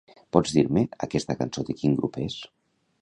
Pots dir-me aquesta cançó de quin grup és?